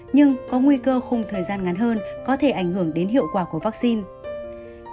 nhưng có nguy cơ khung thời gian ngắn hơn có thể ảnh hưởng đến hiệu quả của vaccine